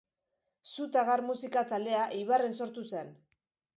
Su ta Gar musika taldea Eibarren sortu zen.